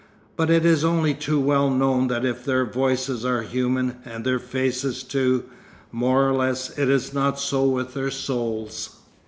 But it is only too well known that if their voices are human and their faces too, more or less, it is not so with their souls.